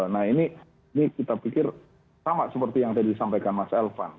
nah ini kita pikir sama seperti yang tadi disampaikan mas elvan